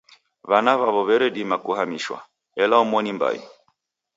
W'ana w'aw'o w'eredima kuhamishwa, ela omoni mbai.